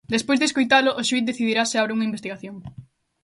Despois de escoitalo, o xuíz decidirá se abre unha investigación.